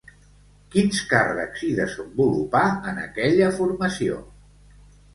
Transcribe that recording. Quins càrrecs hi desenvolupà en aquella formació?